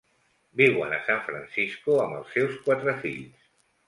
Viuen a San Francisco amb els seus quatre fills.